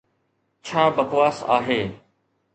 !ڇا بڪواس آهي